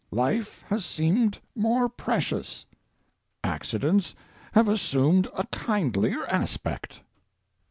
Life has seemed more precious. Accidents have assumed a kindlier aspect.